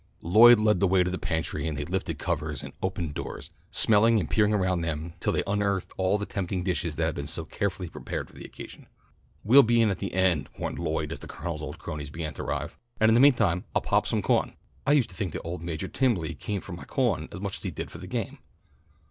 Lloyd led the way to the pantry and they lifted covers and opened doors, smelling and peering around till they unearthed all the tempting dishes that had been so carefully prepared for the occasion. "We'll be in at the end," warned Lloyd as the Colonel's old cronies began to arrive, "and in the meantime I'll pop some cawn. I used to think that old Majah Timberly came for my cawn as much as he did for the game."